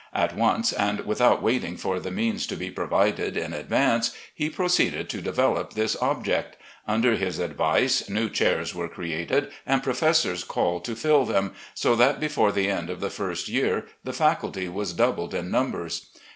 At once, and without waiting for the means to be provided in advance, he pro ceeded to develop this object. Under his advice, new chairs were created, and professors called to fill them, so that before the end of the first year the faculty was dou bled in numbers.